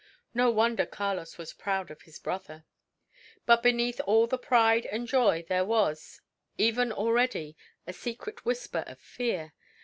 No wonder Carlos was proud of his brother! But beneath all the pride and joy there was, even already, a secret whisper of fear.